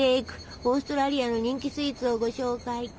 オーストラリアの人気スイーツをご紹介！